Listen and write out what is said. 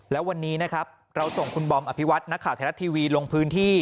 แล้ววันนี้นะครับเราส่งคุณบอมอภิวัตินักข่าวไทยรัฐทีวีลงพื้นที่